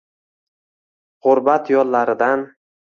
G’urbat yo’llaridan ‘